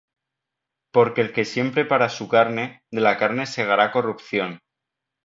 Porque el que siembra para su carne, de la carne segará corrupción;